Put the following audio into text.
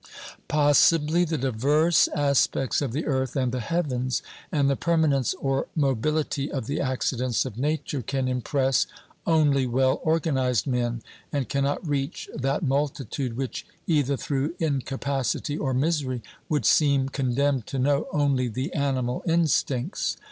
Possibly the diverse aspects of the earth and the heavens, and the permanence or mobility of the accidents of Nature, can impress only well organised men, and cannot reach that multitude which, either through incapacity or misery, would seem condemned to know only the animal instincts.